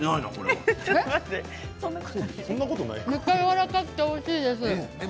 やわらかくておいしいです。